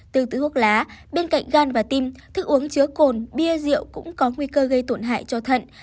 tương tự thuốc lá bên cạnh gan và tim thức uống chứa cồn bia rượu cũng có nguy cơ gây tổn hại cho thận